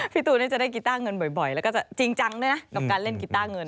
พี่ตูนจะได้กีต้าเงินบ่อยแล้วก็จะจริงจังด้วยนะกับการเล่นกีต้าเงิน